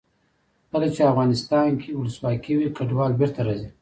کله چې افغانستان کې ولسواکي وي کډوال بېرته راځي.